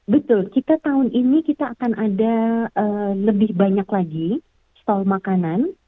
betul kita tahun ini kita akan ada lebih banyak lagi stol makanan